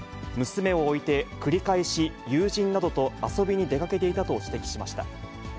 娘を置いて、繰り返し、友人などと遊びに出かけていたと指摘しました。